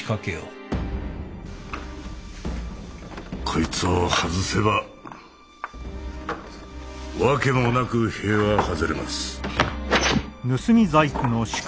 こいつを外せば訳もなく塀は外れます。